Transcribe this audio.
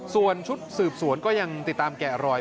ส่วนชุดสืบสวนก็ยังติดตามแกะรอย